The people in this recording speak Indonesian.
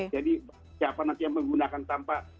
jadi siapa nanti yang menggunakan tanpa